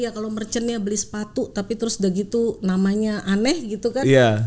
ya kalau merchannya beli sepatu tapi terus udah gitu namanya aneh gitu kan